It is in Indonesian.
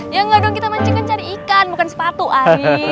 ya nggak dong kita mancing kan cari ikan bukan sepatu alin